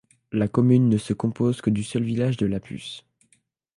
La commune ne se compose que du seul village de Lăpuș.